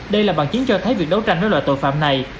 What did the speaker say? đây là bằng chiến cho thấy việc đấu tranh với loại tội phạm này